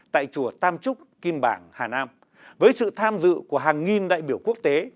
tại chùa tam trúc kim bảng hà nam với sự tham dự của hàng nghìn đại biểu quốc tế